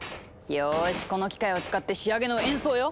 よしこの機械を使って仕上げの演奏よ！